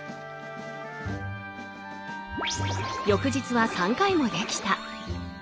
翌日は３回もできた。